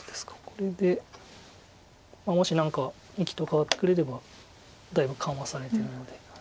これでもし何か生きと換わってくれればだいぶ緩和されてるので。